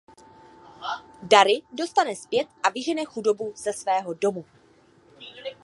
Dary dostane zpět a vyžene chudobu ze svého domu.